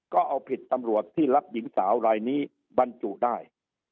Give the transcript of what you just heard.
ก็เอาผิดตำรวจที่รับหญิงสาวรายนี้บรรจุได้